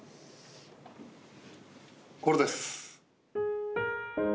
これです。